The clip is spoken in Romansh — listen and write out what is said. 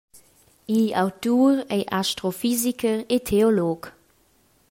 Igl autur ei astrofisicher e teolog.